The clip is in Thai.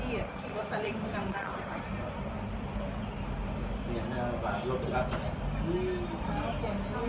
คิดว่าสันลิงของกำลังอะไร